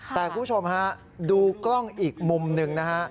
แต่คุณผู้ชมฮะดูกล้องอีกมุมหนึ่งนะฮะ